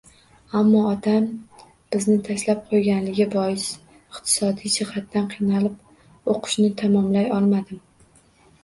Ammo otam bizni tashlab qo`yganligi bois iqtisodiy jihatdan qiynalib o`qishni tamomlay olmadim